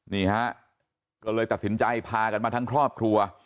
นี่ฮะก็เลยตัดสินใจพากันมาทั้งครอบครัว